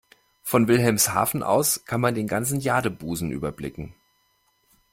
Von Wilhelmshaven aus kann man den ganzen Jadebusen überblicken.